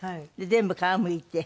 全部皮むいて。